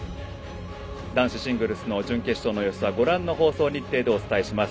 男子シングルスの準決勝の様子はご覧の放送日程でお伝えします。